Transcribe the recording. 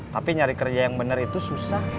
tapi nyari kerja yang benar itu susah